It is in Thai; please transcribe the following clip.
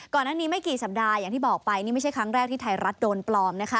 ก่อนหน้านี้ไม่กี่สัปดาห์อย่างที่บอกไปนี่ไม่ใช่ครั้งแรกที่ไทยรัฐโดนปลอมนะคะ